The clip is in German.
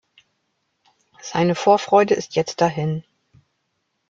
Seine Vorfreude ist jetzt dahin.